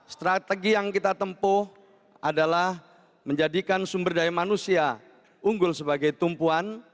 strategi yang kita tempuh adalah menjadikan sumber daya manusia unggul sebagai tumpuan